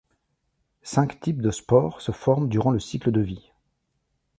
Cinq types de spores se forment durant le cycle de vie.